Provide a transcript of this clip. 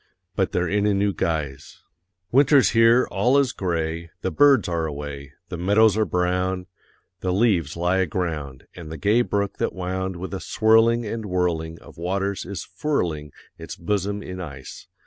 But they're in a new guise Winter's here, all is gray, The birds are away, The meadows are brown, The leaves lie aground, And the gay brook that wound With a swirling and whirling Of waters, is furling Its bosom in ice.